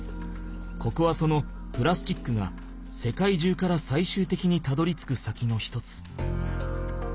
ここはそのプラスチックが世界中からさいしゅうてきにたどりつく先の一つ。